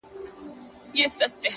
د هغه ورځي څه مي _